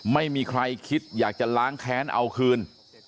ไม่มีใครคิดอยากจะล้างแค้นเอาคืน